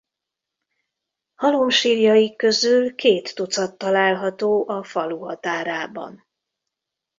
Halomsírjaik közül két tucat található a falu határában.